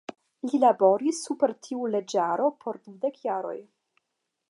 Li laboris super tiu leĝaro por dudek jaroj.